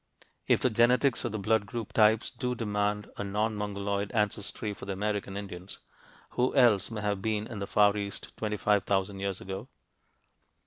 If the genetics of the blood group types do demand a non Mongoloid ancestry for the American Indians, who else may have been in the Far East 25,000 years ago?